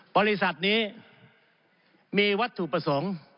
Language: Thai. บริษัทนี้มีวัตถุประสงค์